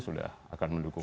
sudah akan mendukung